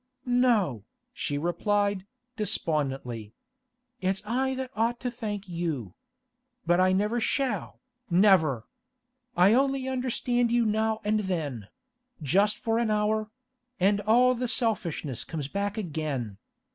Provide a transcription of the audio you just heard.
'No,' she replied, despondently. 'It's I that ought to thank you. But I never shall—never. I only understand you now and then—just for an hour—and all the selfishness comes back again.